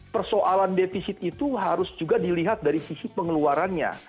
persoalan defisit itu harus juga dilihat dari sisi pengeluarannya